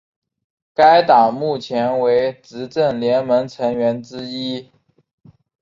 该党目前为执政联盟成员之一。